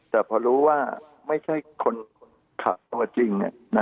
แต่พอรู้ว่าไม่ใช่คนขับตัวจริง